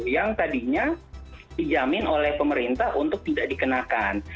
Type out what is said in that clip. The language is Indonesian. yang tadinya dijamin oleh pemerintah untuk tidak dikenakan